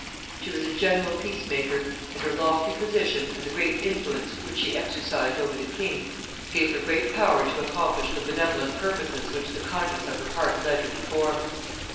She was a general peace maker; and her lofty position, and the great influence which she exercised over the king, gave her great power to accomplish the benevolent purposes which the kindness of her heart led her to form.